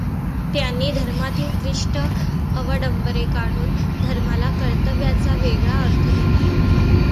त्यांनी धर्मातील क्लिष्ट अवडंबरे काढून धर्माला कर्तव्याचा वेगळा अर्थ दिला.